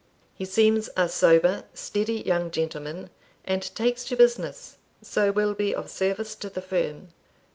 He seems a sober, steady young gentleman, and takes to business; so will be of service to the firm.